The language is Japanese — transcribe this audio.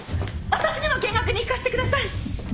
私にも見学に行かせてください！